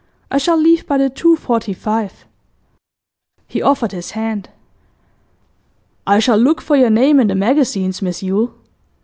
I shall leave by the 2.45.' He offered his hand. 'I shall look for your name in the magazines, Miss Yule.